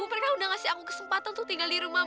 mereka udah ngasih aku kesempatan untuk tinggal di rumah